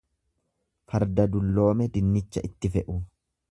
Farda dulloome, dinnicha itti fe'u.